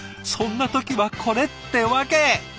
そんな時はこれってわけ。